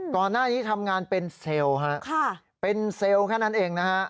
ก่อนหน้านี้ทำงานเป็นเซลล์ฮะเป็นเซลล์แค่นั้นเองนะฮะ